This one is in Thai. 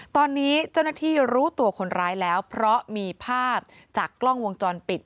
ตอนนี้เจ้าหน้าที่รู้ตัวคนร้ายแล้วเพราะมีภาพจากกล้องวงจรปิด